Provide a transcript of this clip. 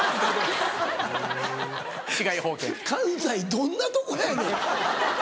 どんなとこやねん。